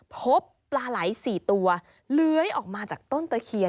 พบปลาไหล๔ตัวเลื้อยออกมาจากต้นตะเคียน